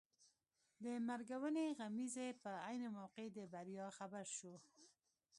د مرګونې غمیزې په عین موقع د بریا خبر شو.